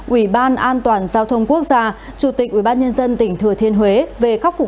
ủy ban an toàn giao thông quốc gia chủ tịch ủy ban nhân dân tỉnh thừa thiên huế về khắc phục